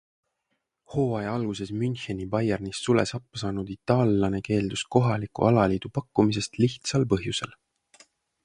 Hooaja alguses Müncheni Bayernist sule sappa saanud itaallane keeldus kohaliku alaliidu pakkumisest lihtsalt põhjusel.